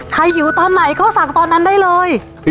ใครอยู่ตอนไหนเขาก็มาเตือนั่นได้เลย